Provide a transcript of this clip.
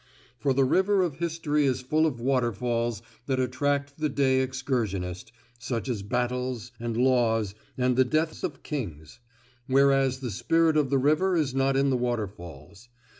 For the river of history is full of waterfalls that attract the day excursionist such as battles, and laws, and the deaths of kings; whereas the spirit of the river is not in the waterfalls.